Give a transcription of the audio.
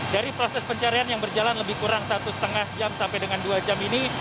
dari proses pencarian yang berjalan lebih kurang satu lima jam sampai dengan dua jam ini